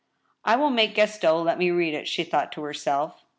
" I will make Gaston let me read it," she thought to herself.